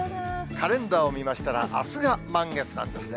カレンダーを見ましたら、あすが満月なんですね。